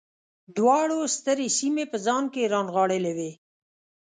دواړو سترې سیمې په ځان کې رانغاړلې وې.